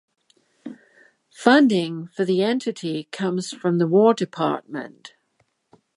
Funding for the entity comes from the War Department.